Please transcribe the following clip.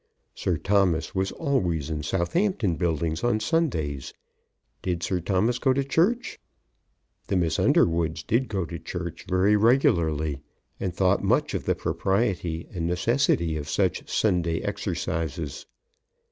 Sir Thomas was always in Southampton Buildings on Sundays. Did Sir Thomas go to church? The Miss Underwoods did go to church very regularly, and thought much of the propriety and necessity of such Sunday exercises.